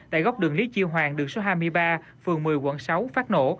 tại góc đường lý chiêu hoàng đường số hai mươi ba phường một mươi quận sáu phát nổ